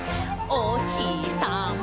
「おひさま